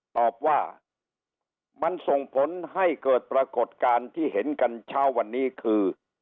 ตอบว่ามันส่งผลให้เกิดปรากฏการณ์ที่เห็นกันเช้าวันนี้คือ